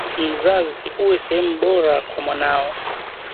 Mzazi uwe sehemu bora kwa mwanao